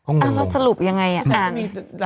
อืมแล้วสรุปยังไงอ่ะค่ะ